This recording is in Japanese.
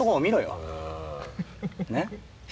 ねっ。